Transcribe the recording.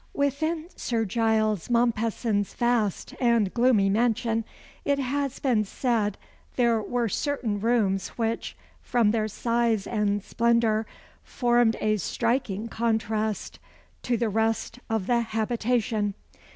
Within Sir Giles Mompesson's vast and gloomy mansion, it has been said there were certain rooms which, from their size and splendour, formed a striking contrast to the rest of the habitation.